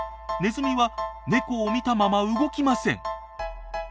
ネズミはネコを見たまま動きません。